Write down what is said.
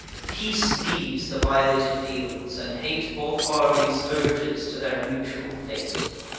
Peace leaves the violated fields, and hate Both armies urges to their mutual fate.